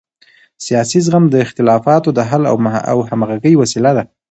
سیاسي زغم د اختلافاتو د حل او همغږۍ وسیله ده